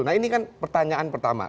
nah ini kan pertanyaan pertama